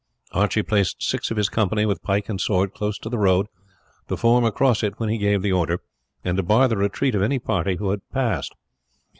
Archie placed six of his company, with pike and sword, close to the road, to form across it when he gave the order, and to bar the retreat of any party who had passed.